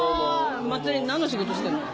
茉莉何の仕事してんの？